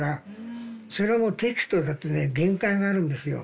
それはもうテキストだとね限界があるんですよ